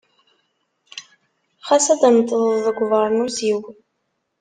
Xas ad tneṭḍeḍ deg ubeṛnus-iw.